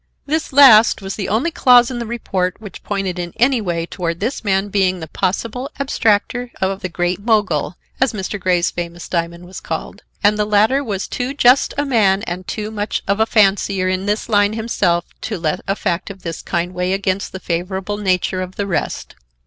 This last was the only clause in the report which pointed in any way toward this man being the possible abstractor of the Great Mogul, as Mr. Grey's famous diamond was called, and the latter was too just a man and too much of a fancier in this line himself to let a fact of this kind weigh against the favorable nature of the rest.